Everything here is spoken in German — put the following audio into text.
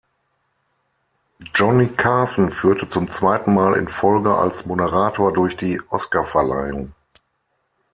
Johnny Carson führte zum zweiten Mal in Folge als Moderator durch die Oscarverleihung.